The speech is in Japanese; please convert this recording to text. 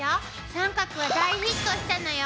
三角は大ヒットしたのよ